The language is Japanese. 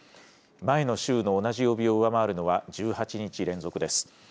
前の週の同じ曜日を上回るのは１８日連続です。